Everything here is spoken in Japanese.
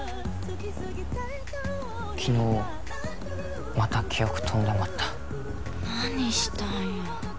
昨日また記憶とんでまった何したんよ？